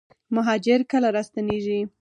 مهاجر کله راستنیږي؟